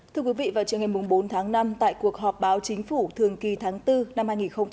thưa quý vị vào chiều ngày bốn tháng năm tại cuộc họp báo chính phủ thường kỳ tháng bốn năm hai nghìn hai mươi bốn